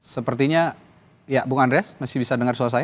sepertinya ya bung andreas masih bisa dengar suara saya